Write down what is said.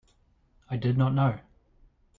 I did not know.